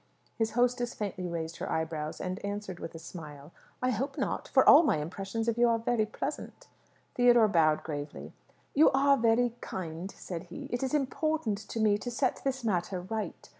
His hostess faintly raised her eyebrows, and answered with a smile, "I hope not: for all my impressions of you are very pleasant." Theodore bowed gravely. "You are very kind," said he. "It is important to me to set this matter right.